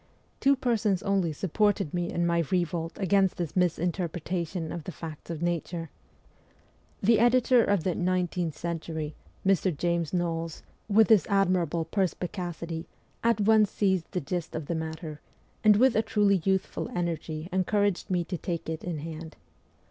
Two persons only sup ported me in my revolt against this misinterpretation of the facts of nature. The editor of the ' Nineteenth Century,' Mr. James Knowles, with his admirable perspi cacity, at once seized the gist of the matter, and with a truly youthful energy encouraged me to take it in hand.